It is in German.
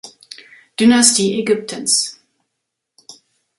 Dynastie Ägyptens.